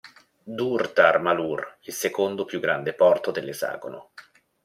Durtar Malur, il secondo più grande porto dell'esagono.